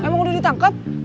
emang udah ditangkep